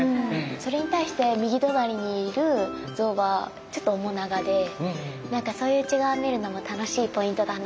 それに対して右隣にいる像はちょっと面長でなんかそういう違いを見るのも楽しいポイントだなって思いますね。